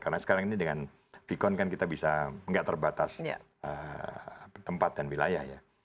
karena sekarang ini dengan vkon kan kita bisa tidak terbatas tempat dan wilayah ya